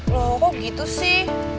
loh kok gitu sih